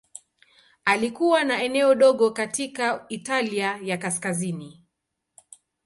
Alikuwa na eneo dogo katika Italia ya Kaskazini.